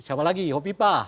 siapa lagi hopi pah